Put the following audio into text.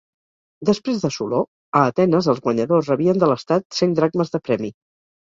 Després de Soló, a Atenes els guanyadors rebien de l'estat cent dracmes de premi.